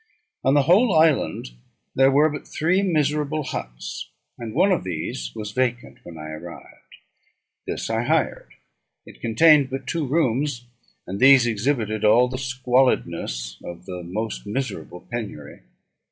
On the whole island there were but three miserable huts, and one of these was vacant when I arrived. This I hired. It contained but two rooms, and these exhibited all the squalidness of the most miserable penury.